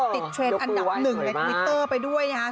ติดเช็ดอันดับหนึ่งในทวิตเตอร์ไปด้วยนะคะ